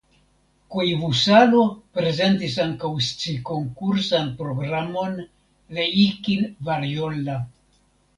Koivusalo prezentis ankaŭ scikonkursan programon "Leikin varjolla".